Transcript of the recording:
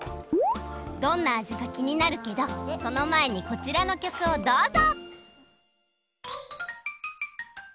どんなあじかきになるけどそのまえにこちらのきょくをどうぞ！